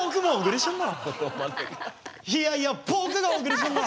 いやいや僕が小栗旬だ。